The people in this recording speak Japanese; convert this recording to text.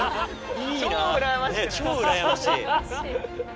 ね超うらやましい。